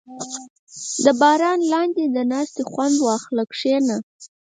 • د باران لاندې د ناستې خوند واخله، کښېنه.